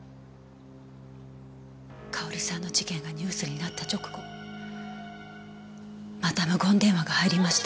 佳保里さんの事件がニュースになった直後また無言電話が入りました。